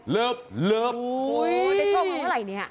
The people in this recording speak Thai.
เลิบเลิบโอ้ยได้โชคมาเมื่อไหร่เนี้ย